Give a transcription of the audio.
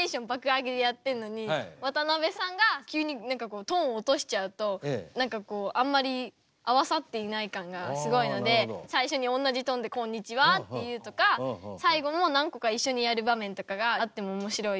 上げでやってるのに渡辺さんが急にトーン落としちゃうと何かこうあんまり合わさっていない感がすごいので最初におんなじトーンで「こんにちは！」って言うとか最後も何個か一緒にやる場面とかがあってもおもしろいかなと。